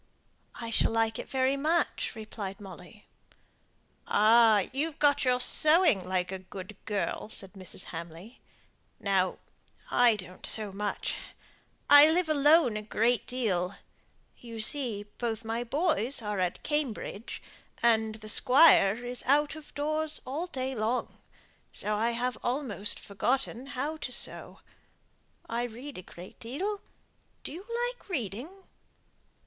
"I shall like it very much," replied Molly. "Ah! you've got your sewing, like a good girl," said Mrs. Hamley. "Now, I don't sew much. I live alone a great deal. You see, both my boys are at Cambridge, and the squire is out of doors all day long so I have almost forgotten how to sew. I read a great deal. Do you like reading?"